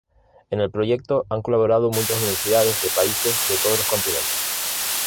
En el proyecto han colaborado muchas universidades de países de todos los continentes.